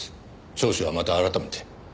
聴取はまた改めて。